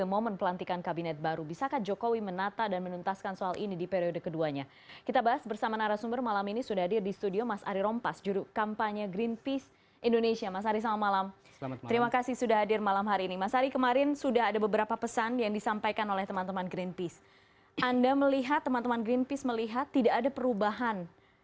dalam cara mengelola pemerintah atas dua hal ini energi dan hutan